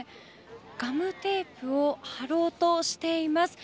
ガムテープを貼ろうとしています。